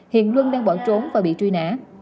hiện luân đang bỏ trốn và bị truy nã